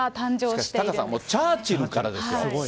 しかし、タカさん、チャーチルからですよ。